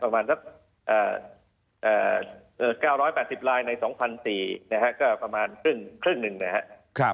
ประมาณสัก๙๘๐ลายใน๒๔๐๐นะฮะก็ประมาณครึ่งหนึ่งนะครับ